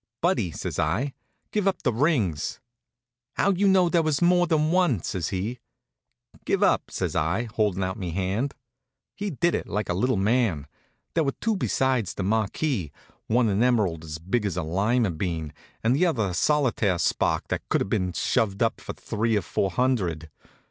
"Buddy," says I, "give up the rings." "How'd you know there was more than one?" says he. "Give up," says I, holdin' out me hand. He did it, like a little man. There was two besides the marquise; one an emerald as big as a lima bean, and the other a solitaire spark that could have been shoved up for three or four hundred.